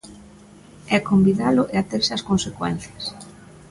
É convidalo e aterse ás consecuencias.